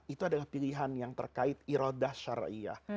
itu adalah pilihan yang terkait irodah syariah